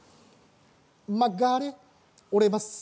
曲がれ、折れます。